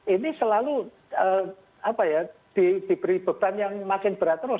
ini selalu diberi beban yang makin berat terus